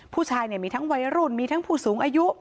ผู้ชายมีทั้งวัยรุ่นมีทั้งผู้สูงอายุ